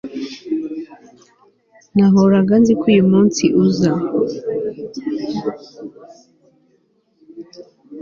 nahoraga nzi ko uyumunsi uza